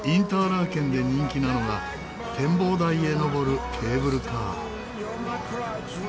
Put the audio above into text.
ラーケンで人気なのが展望台へ上るケーブルカー。